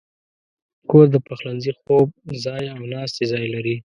کور د پخلنځي، خوب ځای، او ناستې ځای لري.